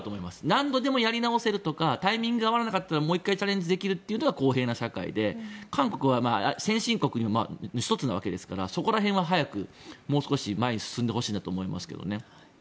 何度でもやり直せるとかタイミングが合わなかったらもう１回チャレンジできるのが公平な社会で韓国は先進国の１つなわけですからそこら辺は早くもう少し前に進んでほしいと思いますけどね。